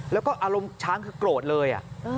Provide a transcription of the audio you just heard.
แล้วก็อารมณ์ช้างคือโกรธเลย